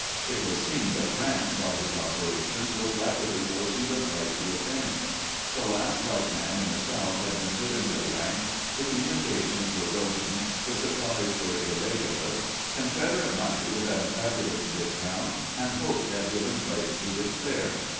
It was seen that Grant, by his operations, was rapidly forcing the fight to a finish. The last white man in the South had been put into the ranks, the communications were broken, the supplies were irregular, Confederate money wa s at a fabulous discount, and hope had given place to despair.